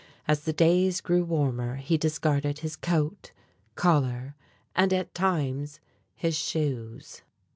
As the days grew warmer he discarded his coat, collar, and at times his shoes.